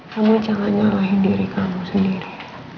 kamu jangan nyalahin diri kamu sendiri